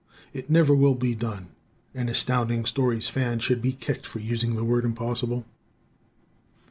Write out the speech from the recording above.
It never will be done (An Astounding Stories fan should be kicked for using the word "impossible"!).